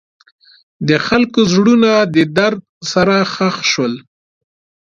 د خلکو زړونه د درد سره ښخ شول.